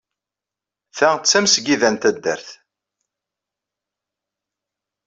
Ta d tamesgida n taddart.